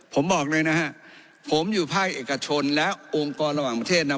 ผมบอกเลยนะฮะผมอยู่ภาคเอกชนและองค์กรระหว่างประเทศนะ